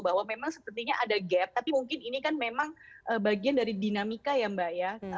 bahwa memang sepertinya ada gap tapi mungkin ini kan memang bagian dari dinamika ya mbak ya